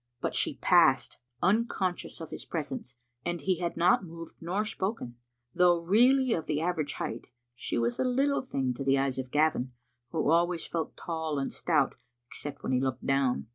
But she passed, unconscious of his presence, and he had not moved nor spoken. Though really of the aver age height, she was a little thing to the eyes of Gavin, who always felt tall and stout except when he looked down.